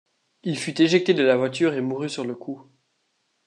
Il fut éjecté de la voiture et mourut sur le coup.